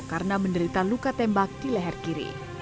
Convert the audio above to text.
karena menderita luka tembak di leher kiri